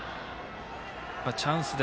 チャンスで